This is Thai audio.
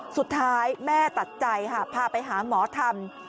สุดท้ายแม่ตัดใจพาไปหาหมอทำ